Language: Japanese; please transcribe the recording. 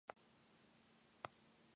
どうか帽子と外套と靴をおとり下さい